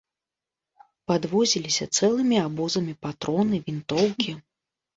Падвозіліся цэлымі абозамі патроны, вінтоўкі.